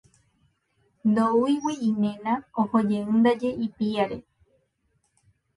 Ndoúigui iména, ohojeýndaje ipiári.